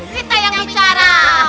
kita yang bicara